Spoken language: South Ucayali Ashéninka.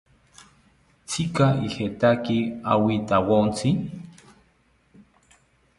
¿Tzika ijekaki awintawontzi?